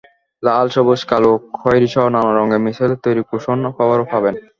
লাল, সবুজ, কালো, খয়েরিসহ নানা রঙের মিশেলে তৈরি কুশন কভারও পাবেন।